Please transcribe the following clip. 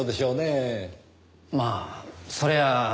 まあそりゃあ。